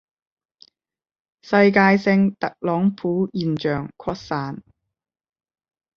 世界性特朗普現象擴散